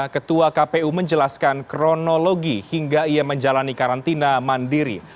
ketua kpu menjelaskan kronologi hingga ia menjalani karantina mandiri